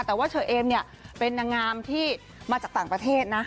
แต่ว่าเชอเอมเนี่ยเป็นนางงามที่มาจากต่างประเทศนะ